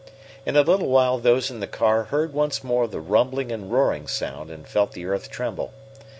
In a little while those in the car heard once more the rumbling and roaring sound and felt the earth tremble.